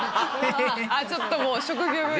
ちょっともう職業病。